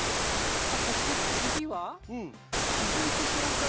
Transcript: さあそして次は。